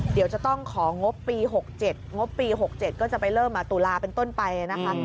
เดี๋ยวจะต้องของงบปี๖๗งบปี๖๗ก็จะไปเริ่มตุลาเป็นต้นไปนะคะ